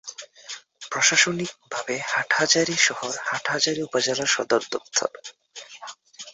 প্রশাসনিক ভাবে হাটহাজারী শহর হাটহাজারী উপজেলার সদর দফতর।